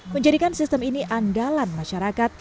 menjadikan sistem ini andalan masyarakat